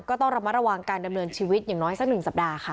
ก็ต้องระมัดระวังการดำเนินชีวิตอย่างน้อยสัก๑สัปดาห์ค่ะ